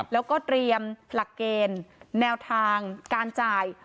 แล้วก็เตรียมหลักเกณฑ์แนวทางการจ่าย